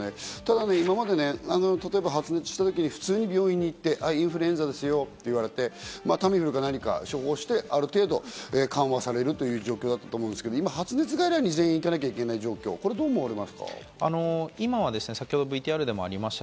今まで発熱したときに普通に病院に行って、インフルエンザですよと言われてタミフルか何か処方して、ある程度、緩和されるという状況だったと思うんですけど、今、発熱外来に全員行かなきゃいけない状況をどう思われますか？